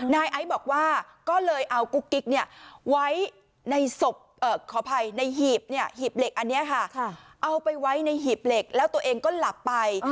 นายไอซ์บอกว่าก็เลยเอากุ๊กกิ๊กไว้ในศพขออภัยในหีบหีบเหล็กอันนี้ค่ะเอาไปไว้ในหีบเหล็กแล้วตัวเองก็หลับไป